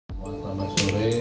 selamat malam selamat sore